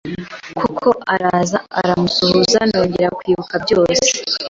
koko araza aramusuhuza nongera kwibuka byose